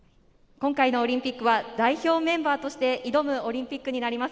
今回のオリンピックは代表メンバーとして挑むオリンピックになります。